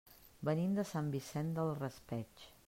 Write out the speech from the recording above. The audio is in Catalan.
Venim de Sant Vicent del Raspeig.